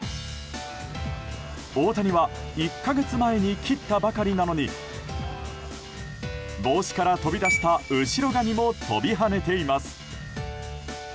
大谷は１か月前に切ったばかりなのに帽子から飛び出した後ろ髪も飛び跳ねています。